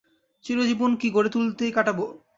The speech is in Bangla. চিরজীবন কি গড়ে তুলতেই কাটাব।